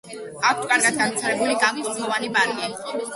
აქვთ კარგად განვითარებული კან-კუნთოვანი პარკი.